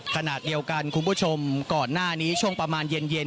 ขณะเดียวกันคุณผู้ชมก่อนหน้านี้ช่วงประมาณเย็น